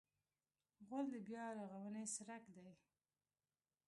غول د بیا رغونې څرک دی.